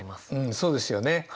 そうですよね。